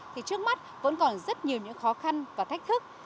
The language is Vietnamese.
thì trước mắt vẫn còn rất nhiều những khó khăn và thách thức